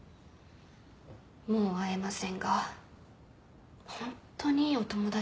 もう会えませんがホントにいいお友達でした。